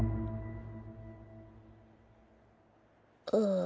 ああ。